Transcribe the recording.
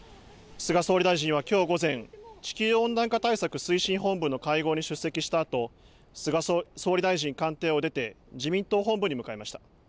菅総理大臣はきょう午前、地球温暖化対策推進本部の会合に出席したあと総理大臣官邸を出て自民党本部に向かいました。